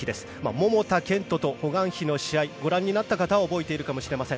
桃田賢斗とホ・グァンヒの試合ご覧になった方は覚えているかもしれません。